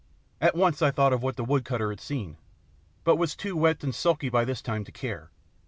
At once I thought of what the woodcutter had seen, but was too wet and sulky by this time to care.